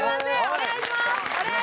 お願いします！